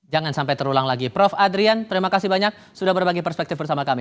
jangan sampai terulang lagi prof adrian terima kasih banyak sudah berbagi perspektif bersama kami